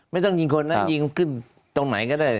ไม่ต้องยิงคนยิงตรงไหนของได้